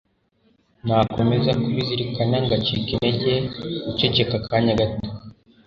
nakomeza kubizirikana ngacika intege guceceka akanya gato